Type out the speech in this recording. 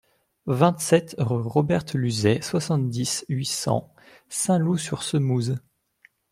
vingt-sept rue Roberte Luzet, soixante-dix, huit cents, Saint-Loup-sur-Semouse